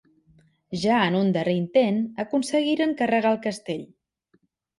Ja en un darrer intent aconseguiren carregar el castell.